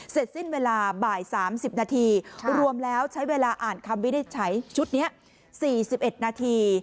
เสร็จสิ้นเวลาบ่าย๓๐นาทีรวมแล้วใช้เวลาอ่านคำวินิจฉัยชุดนี้๔๑นาที